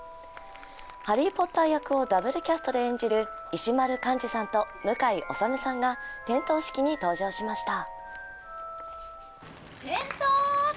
ハリー・ポッター役をダブルキャストで演じる石丸幹二さんと向井理さんが点灯式に登場しました。